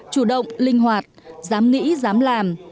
chủ động linh hoạt dám nghĩ dám làm